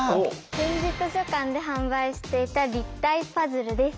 点字図書館で販売していた立体パズルです。